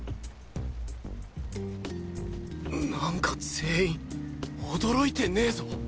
なんか全員驚いてねぞ！？